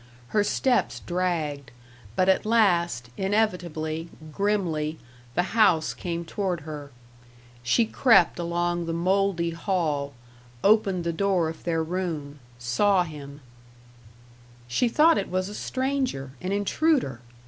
Her steps dragged, but at last, inevitably, grimly, the house came toward her. She crept along the moldy hall, opened the door of their room, saw him She thought it was a stranger, an intruder.